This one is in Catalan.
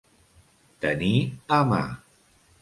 Tenir a mà.